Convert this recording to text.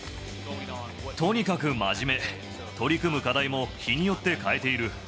とにかく真面目、取り組む課題も日によって変えている。